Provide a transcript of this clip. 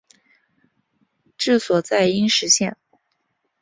治所在阴石县。